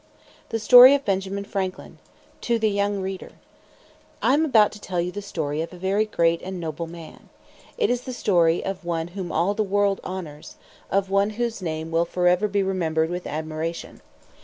THE STORY OF BENJAMIN FRANKLIN TO THE YOUNG READER I am about to tell you the story of a very great and noble man. It is the story of one whom all the world honors of one whose name will forever be remembered with admiration.